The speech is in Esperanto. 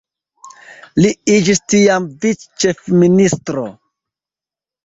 Li iĝis tiam vic-ĉefministro.